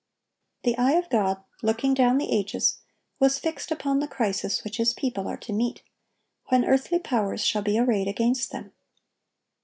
(1087) The eye of God, looking down the ages, was fixed upon the crisis which His people are to meet, when earthly powers shall be arrayed against them.